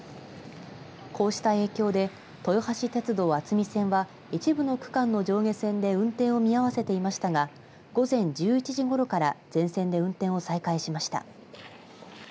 こうした影響で豊橋鉄道渥美線は一部の区間の上下線で運転を見合わせていましたが午前１１時ごろから全線で運転を再開しました。